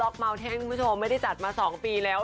โรคล็อตมัวเท้นพี่ผู้ชมไม่ได้จัดมา๒ปีแล้ว